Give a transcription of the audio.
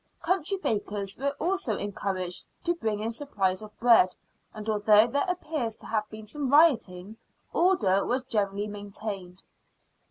Country bakers were also encouraged to bring in supplies of bread, and although there appears to have "been some rioting, order was generally maintained.